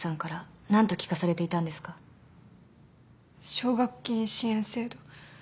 奨学金支援制度。